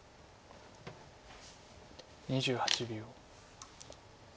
２８秒。